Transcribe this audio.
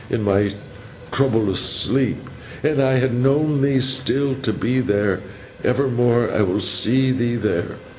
In my troublous sleep I ha' known thee still to be there. Evermore I will see thee there.